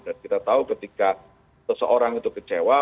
dan kita tahu ketika seseorang itu kecewa